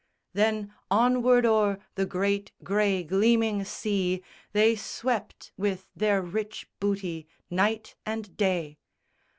Then onward o'er the great grey gleaming sea They swept with their rich booty, night and day.